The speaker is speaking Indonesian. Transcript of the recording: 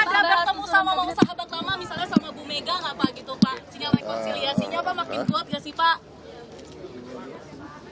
foksiliasinya apa makin kuat gak sih pak